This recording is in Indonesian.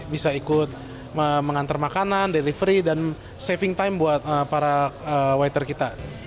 bisa ikut mengantar makanan delivery dan saving time buat para waiter kita